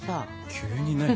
急に何？